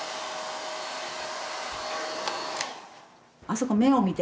あそこ目を見て。